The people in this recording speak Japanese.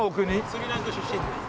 スリランカ出身です。